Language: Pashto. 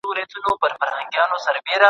موږ په ګډه یو ښکلی ګروپ جوړ کړی دی.